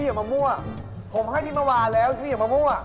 พี่อย่ามามั่วผมให้นี่มาวาดแล้วพี่อย่ามามั่ว